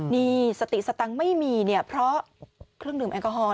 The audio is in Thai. นี่สติสตังค์ไม่มีเนี่ยเพราะเครื่องดื่มแอลกอฮอล